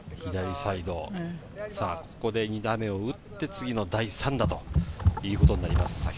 ここで２打目を打って、次の第３打ということになります。